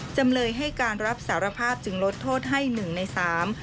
จำเลยให้การรับสารภาพจึงลดโทษให้หนึ่งในสาม